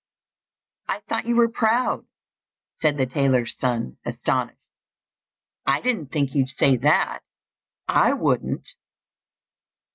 "I thought you were proud," said the tailor's son, astonished; "I didn't think you'd say that I wouldn't."